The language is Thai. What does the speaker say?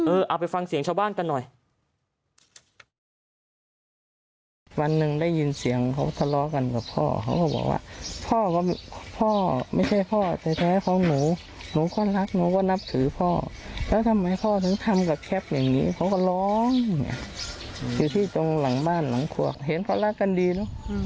เอาไปฟังเสียงชาวบ้านกันหน่อย